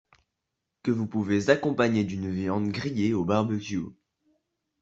que vous pouvez accompagner d'une viande grillée au barbecue